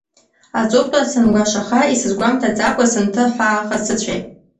Аҵыхәтәан, сангәашаха исызгәамҭаӡакәа сынҭаҳәахаа сыцәеит.